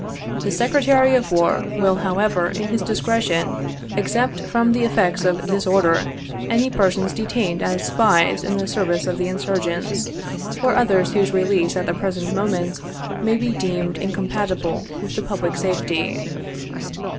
The Secretary of War will, however, in his discretion, except from the effects of this order, any persons detained as spies in the service of the insurgents, or others whose release at the present moment may be deemed incom patible with the public safety.